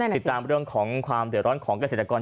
ติดตามเรื่องของความเดือดร้อนของเกษตรกร